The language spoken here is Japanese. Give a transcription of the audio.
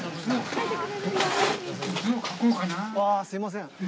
すみません。